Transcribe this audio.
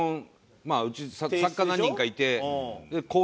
まあうち作家何人かいて。